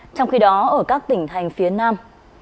trong khi đó ở các tỉnh thành phía nam